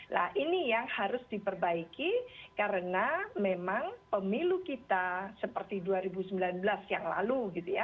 nah ini yang harus diperbaiki karena memang pemilu kita seperti dua ribu sembilan belas yang lalu gitu ya